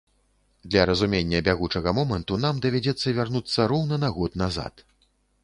Для разумення бягучага моманту нам давядзецца вярнуцца роўна на год назад.